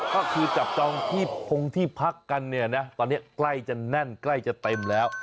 ก็คือจับจองที่พงที่พักกันเนี่ยนะตอนนี้ใกล้จะแน่นใกล้จะเต็มแล้ว